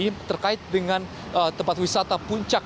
jadi terkait dengan tempat wisata puncak